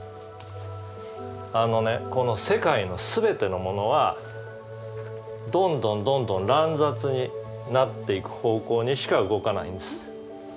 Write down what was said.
あのねこの世界の全てのものはどんどんどんどん乱雑になっていく方向にしか動かないんです。